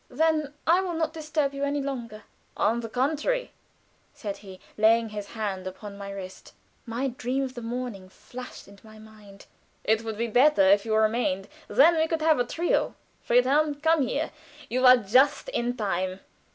"Then I will not disturb you any longer." "On the contrary," said he, laying his hand upon my wrist. (My dream of the morning flashed into my mind.) "It would be better if you remained, then we could have a trio. Friedel, come here! You are just in time.